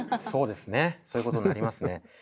そうですねそういうことになりますね。